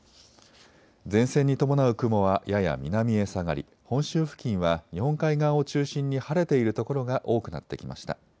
前線に伴う雲はやや南へ下がり本州付近は日本海側を中心に晴れているところが多くなってきました。